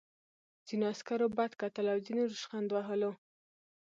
ځینو عسکرو بد کتل او ځینو ریشخند وهلو